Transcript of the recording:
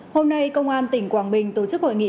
hôm nay công an tỉnh quảng bình tổ chức hội nghị